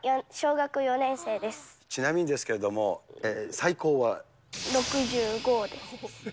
ちなみにですけれども、６５です。